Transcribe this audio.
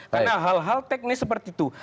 karena hal hal teknis seperti itu